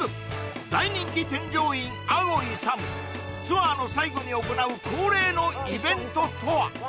大人気添乗員あご勇ツアーの最後に行う恒例のイベントとは？